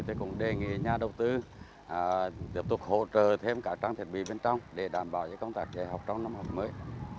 thì cũng đề nghị nhà đầu tư tiếp tục hỗ trợ thêm các trang thiết bị bên trong để đảm bảo cho công tác trẻ học trong năm học mới